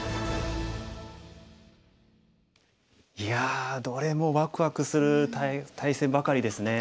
いやどれもワクワクする対戦ばかりですね。